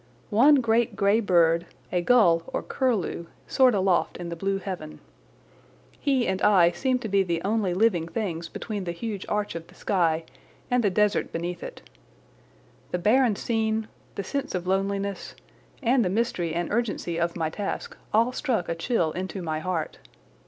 One great grey bird, a gull or curlew, soared aloft in the blue heaven. He and I seemed to be the only living things between the huge arch of the sky and the desert beneath it. The barren scene, the sense of loneliness, and the mystery and urgency of my task all struck a chill into my heart.